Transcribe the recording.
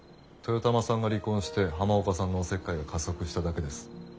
豊玉さんが離婚して浜岡さんのお節介が加速しただけです。